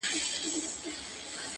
د ژوندیو په کورونو کي به غم وي،